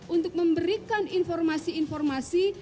untuk memberikan informasi informasi